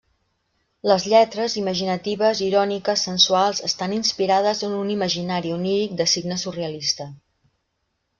Les lletres, imaginatives, iròniques, sensuals, estan inspirades en un imaginari oníric de signe surrealista.